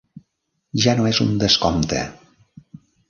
Ja no és un descompte!